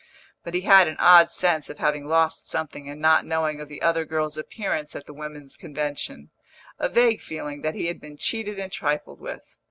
But he had an odd sense of having lost something in not knowing of the other girl's appearance at the Women's Convention a vague feeling that he had been cheated and trifled with.